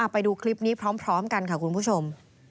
ไปดูคลิปนี้พร้อมกันค่ะคุณผู้ชม